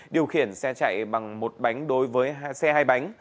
điều khiển xe chạy bằng một bánh đối với xe hai bánh